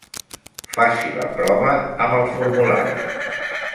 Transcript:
Faci la prova amb el formulari.